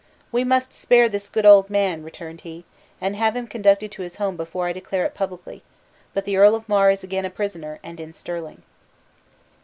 "We must spare this good old man," returned he, "and have him conducted to his home before I declare it publicly; but the Earl of Mar is again a prisoner, and in Stirling."